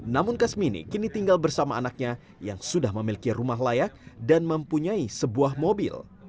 namun kasmini kini tinggal bersama anaknya yang sudah memiliki rumah layak dan mempunyai sebuah mobil